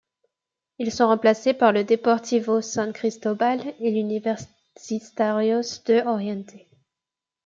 Ils sont remplacés par le Deportivo San Cristóbal et l'Universitarios de Oriente.